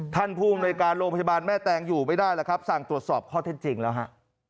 ภูมิในการโรงพยาบาลแม่แตงอยู่ไม่ได้แล้วครับสั่งตรวจสอบข้อเท็จจริงแล้วฮะ